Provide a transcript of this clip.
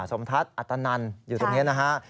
สมทัศน์อะตานันอยู่ตรงนี้หนึ่ง